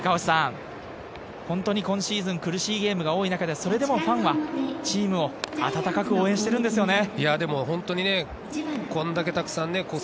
本当に今シーズン苦しいゲームが多い中で、それでもファンはチームを温かく応援してるんですよね。